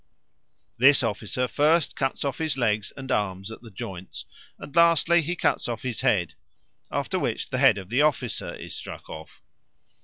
This officer first cuts off his legs and arms at the joints, and lastly he cuts off his head; after which the head of the officer is struck off.